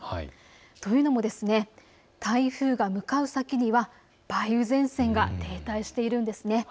というのも台風が向かう先には梅雨前線が停滞しているんです。